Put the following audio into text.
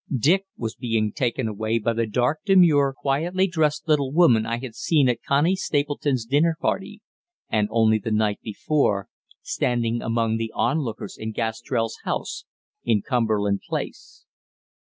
Dick was being taken away by the dark, demure, quietly dressed little woman I had seen at Connie Stapleton's dinner party, and, only the night before, standing among the onlookers in Gastrell's house in Cumberland Place.